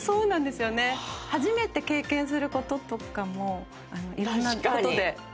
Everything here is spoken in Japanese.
初めて経験することとかもいろんなことで。